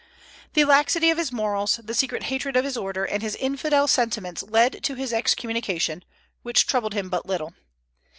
The laxity of his morals, the secret hatred of his order, and his infidel sentiments led to his excommunication, which troubled him but little.